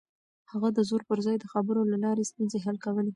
هغه د زور پر ځای د خبرو له لارې ستونزې حل کولې.